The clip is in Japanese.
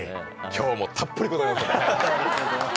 今日もたっぷりございますので！